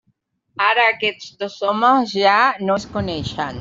Ara aquests dos homes ja no es coneixen.